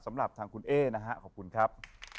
สำหรับทางคุณเอ๊นะฮะขอบคุณครับ